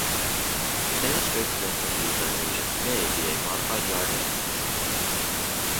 The famous Great Sphinx of Giza in Egypt may be a modified yardang.